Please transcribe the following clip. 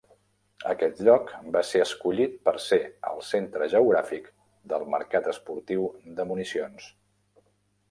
Aquest lloc va ser escollit per ser el centre geogràfic del mercat esportiu de municions.